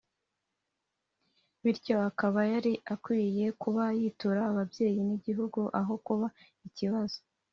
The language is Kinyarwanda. bityo akaba yari akwiye kuba yitura ababyeyi n’igihugu aho kuba ikibazo